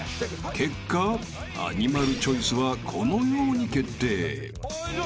［結果アニマルチョイスはこのように決定］